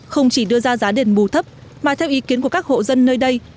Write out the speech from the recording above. không chỉ đưa ra giá đền bù thấp mà theo ý kiến của các hộ dân nơi đây